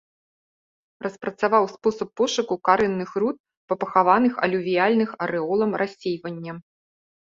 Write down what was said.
Распрацаваў спосаб пошуку карэнных руд па пахаваных алювіяльных арэолам рассейвання.